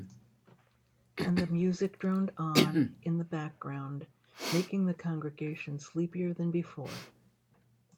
And the music droned on in the background making the congregation sleepier than before.